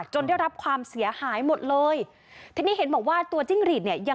ได้รับความเสียหายหมดเลยทีนี้เห็นบอกว่าตัวจิ้งหลีดเนี่ย